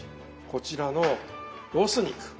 こちらのロース肉。